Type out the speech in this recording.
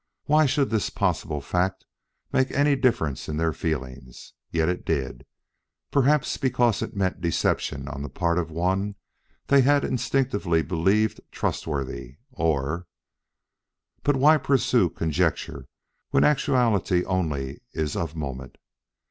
Why should this possible fact make any difference in their feelings. Yet it did perhaps because it meant deception on the part of one they had instinctively believed trustworthy, or But why pursue conjecture when actuality only is of moment?